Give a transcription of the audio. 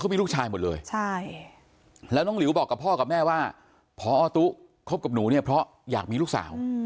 มีลูกชายหมดเลยใช่แล้วน้องหลิวบอกกับพ่อกับแม่ว่าพอตุ๊คบกับหนูเนี่ยเพราะอยากมีลูกสาว